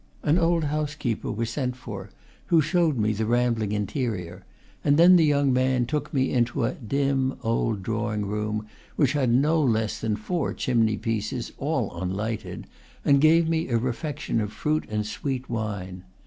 An old house keeper was sent for, who showed me the rambling interior; and then the young man took me into a dim old drawing room, which had no less than four chimney pieces, all unlighted, and gave me a refec tion of fruit and sweet wine.